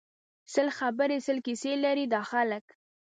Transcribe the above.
سل خبری سل کیسی لري دا خلک